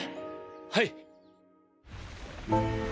はい。